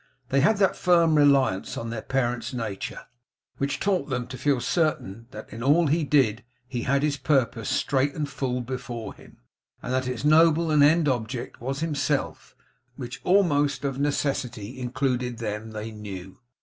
They had that firm reliance on their parent's nature, which taught them to feel certain that in all he did he had his purpose straight and full before him. And that its noble end and object was himself, which almost of necessity included them, they knew.